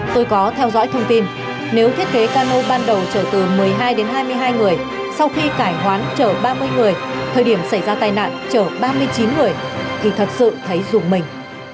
tôi có theo dõi thông tin nếu thiết kế cano ban đầu trở từ một mươi hai đến hai mươi hai người sau khi cải hoán chở ba mươi người thời điểm xảy ra tai nạn chở ba mươi chín người thì thật sự thấy ruồng mình